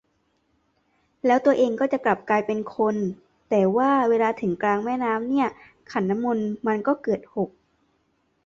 แล้วตัวเองก็จะกลับกลายเป็นคน แต่ว่าเวลาถึงกลางแม่น้ำเนี่ยขันน้ำมนต์มันก็เกิดหก